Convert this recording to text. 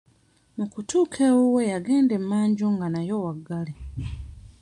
Mu kutuuka ewuwe yagenda emmanju nga nayo waggale.